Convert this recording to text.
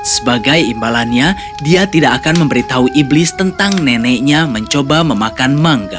sebagai imbalannya dia tidak akan memberitahu iblis tentang neneknya mencoba memakan mangga